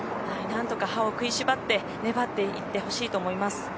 何とか歯を食いしばって粘っていってほしいと思います。